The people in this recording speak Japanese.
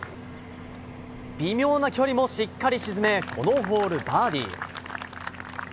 微妙な距離もしっかり沈めこのホール、バーディー。